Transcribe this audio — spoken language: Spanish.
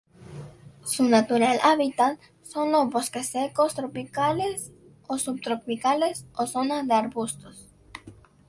Su natural hábitat son los bosques secos tropicales o subtropicales o zonas de arbustos.